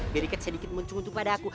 berikan sedikit muncung untuk padaku